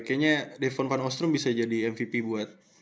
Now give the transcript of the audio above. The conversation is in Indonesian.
kayaknya the von van ostrum bisa jadi mvp buat